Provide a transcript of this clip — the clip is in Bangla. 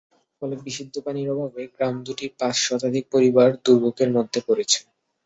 ফলে বিশুদ্ধ পানির অভাবে গ্রাম দুটির পাঁচ শতাধিক পরিবার দুর্ভোগের মধ্যে পড়েছে।